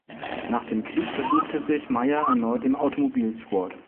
Nach dem Krieg versuchte sich Meier erneut im Automobilsport.